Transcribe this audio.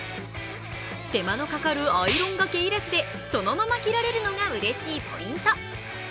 手間のかかるアイロンがけ要らずでそのまま着られるのがうれしいポイント。